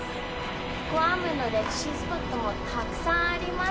グアムの歴史スポットもたくさんあります。